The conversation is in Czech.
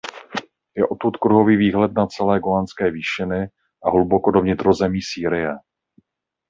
Je odtud kruhový výhled na celé Golanské výšiny a hluboko do vnitrozemí Sýrie.